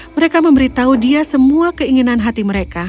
mereka memberitahu dia semua keinginan hati mereka